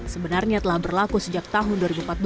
sebenarnya telah berlaku sejak tahun dua ribu empat belas